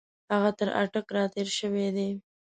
هغه تر اټک را تېر شوی دی.